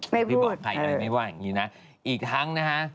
ไม่พูดใช่อย่างนี้นะอีกครั้งนะฮะ